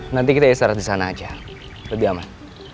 nanti kita istirahat disana aja lebih aman